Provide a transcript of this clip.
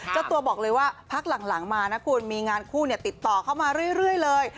เจ้าตัวบอกเลยว่าพักหลังมานะคุณมีงานคู่ติดต่อเข้ามาเรื่อยเลย